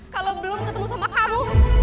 kalau belum ketemu sama karung